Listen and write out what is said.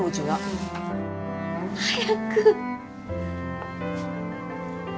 早く。